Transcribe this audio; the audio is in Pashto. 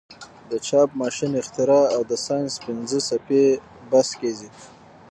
د چاپ ماشین اختراع او د ساینس پنځه څپې بحث کیږي.